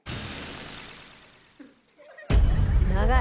長い。